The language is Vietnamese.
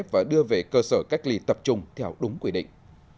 và đưa về cơ sở cách ly tập trung theo đúng quy định